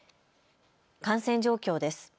感染状況です。